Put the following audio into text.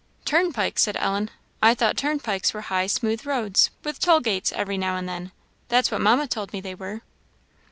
"Turnpikes!" said Ellen "I thought turnpikes were high, smooth roads, with toll gates every now and then that's what Mamma told me they were."